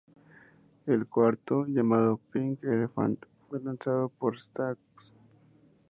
El cuarto, llamado "Pink Elephant", fue lanzado por Stax.